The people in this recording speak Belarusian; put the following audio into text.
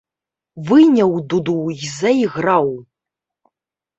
Выняў дуду і зайграў.